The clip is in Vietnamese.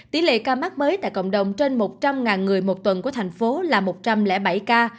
tỷ lệ ca mắc mới tại cộng đồng trên một trăm linh người một tuần của thành phố là một trăm linh bảy ca